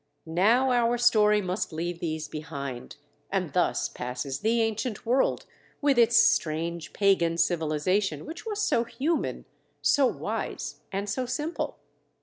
Now our story must leave these behind, and thus passes the ancient world with its strange pagan civilization which was so human, so wise and so simple.